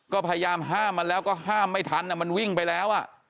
ก็พยายามห้ามมันแล้วก็ห้ามไม่ทันมันวิ่งไปแล้ว